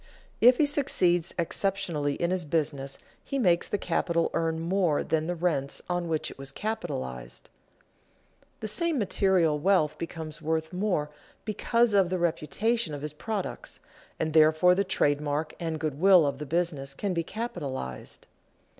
If he succeeds exceptionally in his business, he makes the capital earn more than the rents on which it was capitalized. The same material wealth becomes worth more because of the reputation of his products, and therefore the trade mark and good will of the business can be capitalized.